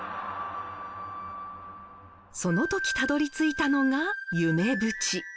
その時たどりついたのが夢淵。